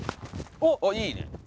おっいいね！